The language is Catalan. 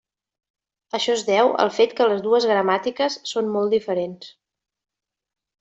Això es deu al fet que les dues gramàtiques són molt diferents.